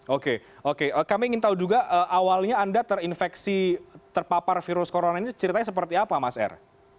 oke oke kami ingin tahu juga awalnya anda terinfeksi terpapar virus corona ini ceritanya seperti apa mas r